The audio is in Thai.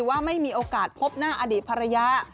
ว่าไม่มีโอกาสพบหน้าอดีตภรรยา